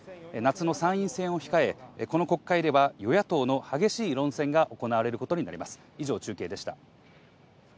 夏の参院選を控え、この国会では与野党の激しい論戦が行われることになります。